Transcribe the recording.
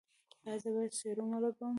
ایا زه باید سیروم ولګوم؟